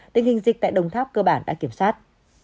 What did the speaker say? tình hình dịch tại đồng tháp cơ bản đã kiểm soát